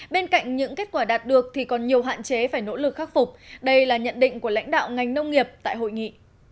bên cạnh những kết quả đạt được thì còn nhiều hạn chế phải nỗ lực khắc phục đây là nhận định của lãnh đạo ngành nông nghiệp tại hội nghị